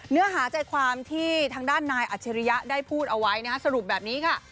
เนื้อหาใจความที่ทางด้านนายอัจฉริยะได้พูดเอาไว้สรุปแบบนี้ค่ะ